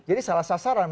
jadi salah sasaran